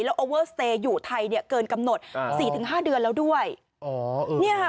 แล้วอยู่ไทยเนี่ยเกินกำหนดสี่ถึงห้าเดือนแล้วด้วยอ๋อเนี่ยค่ะ